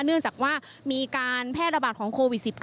เนื่องจากว่ามีการแพร่ระบาดของโควิด๑๙